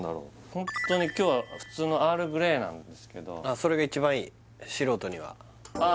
ホントに今日は普通のアールグレイなんですけどああそれが一番いい素人にはああ